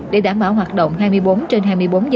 để đảm bảo hoạt động hai mươi bốn trên hai mươi bốn giờ